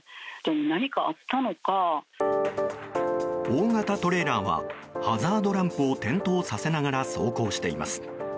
大型トレーラーはハザードランプを点灯させながら走行しています。